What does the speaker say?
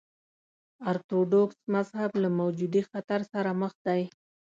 ارتوډوکس مذهب له وجودي خطر سره مخ دی.